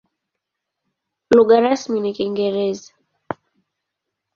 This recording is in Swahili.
Lugha rasmi ni Kiingereza.